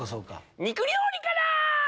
肉料理から。